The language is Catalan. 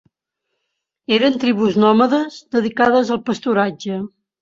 Eren tribus nòmades dedicades al pasturatge.